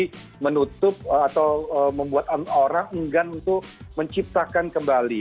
jadi menutup atau membuat orang enggan untuk menciptakan kembali